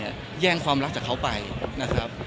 แย่งความรักจากเขาไปนะครับ